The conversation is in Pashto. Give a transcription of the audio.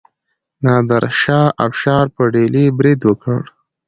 نادر شاه افشار په ډیلي برید وکړ.